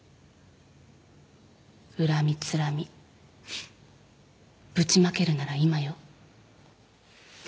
恨みつらみぶちまけるなら今よ。